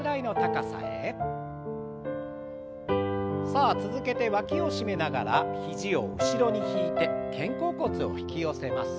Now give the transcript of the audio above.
さあ続けてわきを締めながら肘を後ろに引いて肩甲骨を引き寄せます。